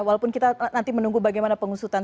walaupun kita nanti menunggu bagaimana pengusutan